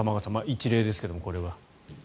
一例ですけども、これは。